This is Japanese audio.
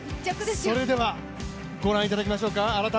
それではご覧いただきましょうか。